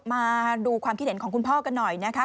มาดูความคิดเห็นของคุณพ่อกันหน่อยนะคะ